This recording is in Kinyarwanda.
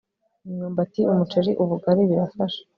imyumbati, umuceri, ubugari birafasha